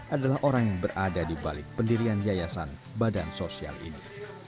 adalah orang yang berada di balik pendirian yayasan badan sosial ini